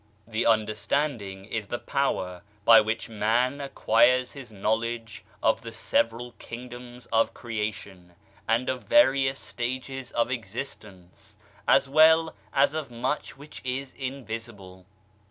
The Understanding is the power by which Man acquires his knowledge of the several Kingdoms of Creation, and of various stages of existence, as well as of much which is invisible.